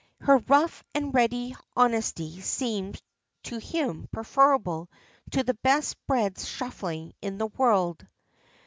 Her rough and ready honesty seems to him preferable to the best bred shuffling in the world.